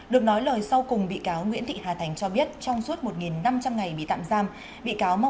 được nói lời sau cùng bị cáo nguyễn thị hà thành cho biết trong suốt một năm trăm linh ngày bị tạm giam bị cáo